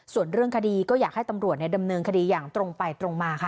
ส่วนเรื่องคดีก็อยากให้ตำรวจดำเนินคดีอย่างตรงไปตรงมาค่ะ